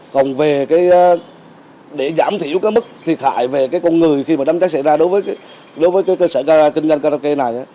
còn về để giảm thiểu cái mức thiệt hại về cái con người khi mà đám cháy xảy ra đối với cái cơ sở kara kinh doanh karaoke này